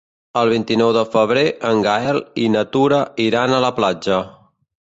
El vint-i-nou de febrer en Gaël i na Tura iran a la platja.